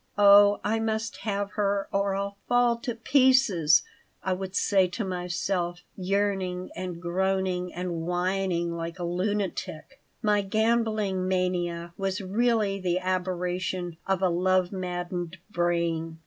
"Oh, I must have her or I'll fall to pieces," I would say to myself, yearning and groaning and whining like a lunatic My gambling mania was really the aberration of a love maddened brain.